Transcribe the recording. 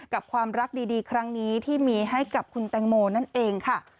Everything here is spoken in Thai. กับความรักดีครั้งนี้ที่มีให้กับคุณแตงโมนั่นเองค่ะ